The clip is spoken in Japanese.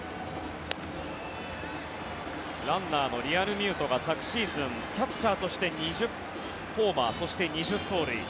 ランナーのリアルミュートが昨シーズン、キャッチャーとして２０ホーマーそして２０盗塁。